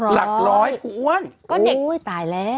หูยตายแล้ว